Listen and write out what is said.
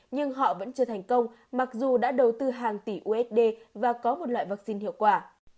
nhưng họ vẫn chưa thành công mặc dù đã đầu tư hàng tỷ usd và có một loại vaccine hiệu quả